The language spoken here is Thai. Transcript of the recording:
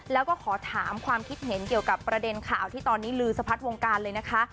แล้วก็ขอถามความคิดเห็นเกี่ยวกับประเด็นข่าวที่ตอนนี้ลือสะพัดวงการเลยนะคะ